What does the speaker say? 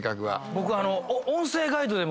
僕。